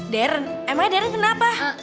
deren emangnya deren kenapa